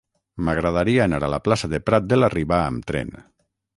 M'agradaria anar a la plaça de Prat de la Riba amb tren.